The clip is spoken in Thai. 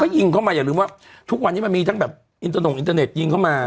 ยิงเข้ามาอย่าลืมว่าทุกวันนี้มันมีทั้งแบบอินเตอร์นงอินเทอร์เน็ตยิงเข้ามา